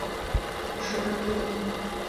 Пашада кӱрльӧ...